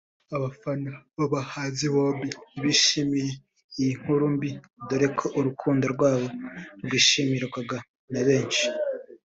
abafana b’aba bahanzi bombi ntibishimiye iyi nkuru mbi dore ko urukundo rwabo rwishimirwaga na benshi